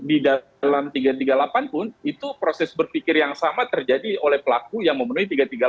di dalam tiga ratus tiga puluh delapan pun itu proses berpikir yang sama terjadi oleh pelaku yang memenuhi tiga ratus tiga puluh delapan